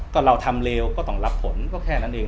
ก็เราทำเลวก็ต้องรับผลก็แค่นั้นเอง